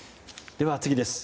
では次です。